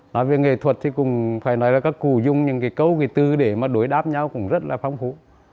nói về nghệ thuật thì cũng phải nói là các cụ dùng những cái câu cái tư để mà đối đáp nhau cũng rất là phong phú